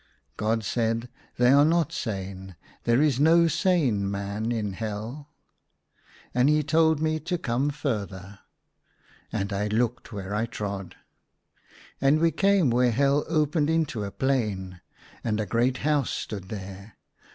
God said, " They are not sane ; there is no sane man in Hell." And he told me to come further. And I looked where I trod. And we came where Hell opened T38 THE SUNLIGHT LA Y into a plain, and a great house stood there.